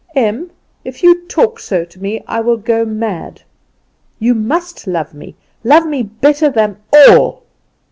"Em, if you talk so to me I will go mad! You must love me, love me better than all!